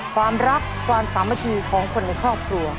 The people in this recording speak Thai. ความรักความสามัคคีของคนในครอบครัว